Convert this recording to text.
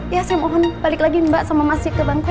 ya saya mohon balik lagi mbak sama masih ke bangko